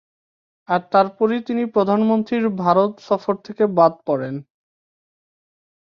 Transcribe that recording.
আর তারপরই তিনি প্রধানমন্ত্রীর ভারত সফর থেকে বাদ পড়েন।